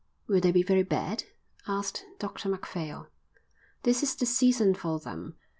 "Will they be very bad?" asked Dr Macphail. "This is the season for them.